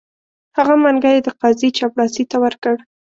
هغه منګی یې د قاضي چپړاسي ته ورکړ.